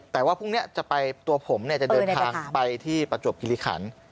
แต่ว่าพรุ่งนี้จะไปตัวผมจะเดินทางไปที่ประจวบคิริขัน